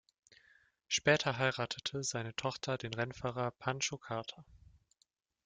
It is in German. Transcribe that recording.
Später heiratete seine Tochter den Rennfahrer Pancho Carter.